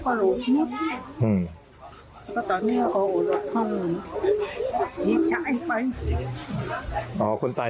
คนเผาว่ายิงพี่มันเข้าแบบเอารถไปเลย